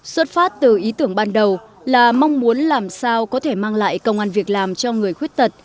xuất phát từ ý tưởng ban đầu là mong muốn làm sao có thể mang lại công an việc làm cho người khuyết tật